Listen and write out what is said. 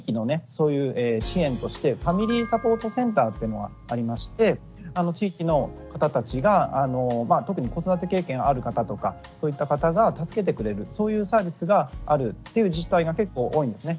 そういう支援としてファミリーサポートセンターっていうのがありまして地域の方たちが特に子育て経験ある方とかそういった方が助けてくれるそういうサービスがあるっていう自治体が結構多いんですね。